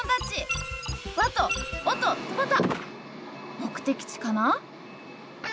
目的地かな？